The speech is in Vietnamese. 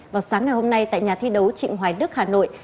vào sáng ngày hôm nay tại nhà thi đấu trịnh hoài đức hà nội